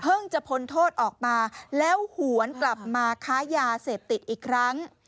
จะพ้นโทษออกมาแล้วหวนกลับมาค้ายาเสพติดอีกครั้ง